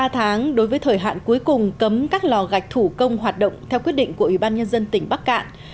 thời hạn cuối cùng cấm các lò gạch thủ công hoạt động theo quyết định của ủy ban nhân dân tỉnh bắc cạn